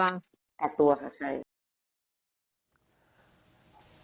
กักตัวค่ะใช่